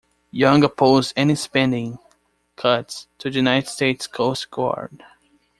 Young opposed any spending cuts to the United States Coast Guard.